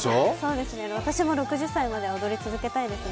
私も６０歳まで踊り続けたいですね。